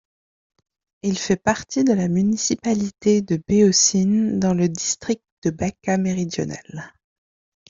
Il fait partie de la municipalité de Beočin dans le district de Bačka méridionale.